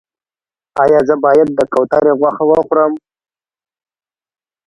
ایا زه باید د کوترې غوښه وخورم؟